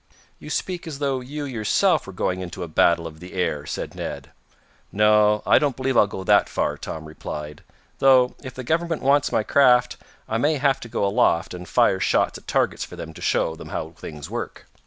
"You speak as though you, yourself, were going into a battle of the air," said Ned. "No, I don't believe I'll go that far," Tom replied. "Though, if the government wants my craft, I may have to go aloft and fire shots at targets for them to show them how things work.